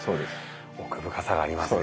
奥深さがありますね。